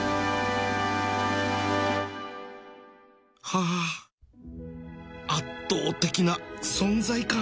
ハァ圧倒的な存在感！